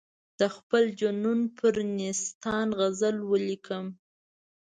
د خپل جنون پر نیستان غزل ولیکم.